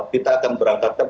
kita akan berangkatkan seratus